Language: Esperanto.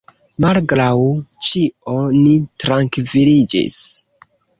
Malgraŭ ĉio, ni trankviliĝis.